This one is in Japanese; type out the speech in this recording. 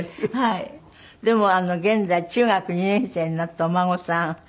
でも現在中学２年生になったお孫さん。